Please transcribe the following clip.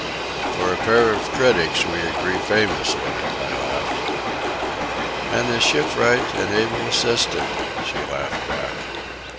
"For a pair of critics we agree famously," I laughed. "And as shipwright and able assistant," she laughed back.